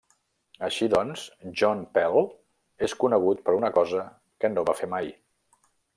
Així doncs, John Pell és conegut per una cosa que no va fer mai.